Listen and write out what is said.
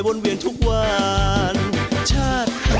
ดูแล้วคงไม่รอดเพราะเราคู่กัน